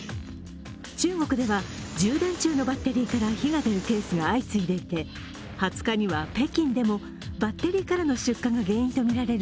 中国では充電中のバッテリーから火が出るケースが相次いでいて２０日は北京でもバッテリーからの出火が原因とみられる